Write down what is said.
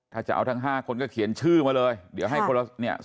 ถ้าจะเอาทั้ง๕คนก็เขียนชื่อมาเลยเดี๋ยวให้คนละเนี่ย